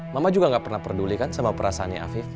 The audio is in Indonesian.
mama juga gak pernah peduli kan sama perasaannya afif